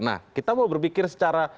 nah kita mau berpikir secara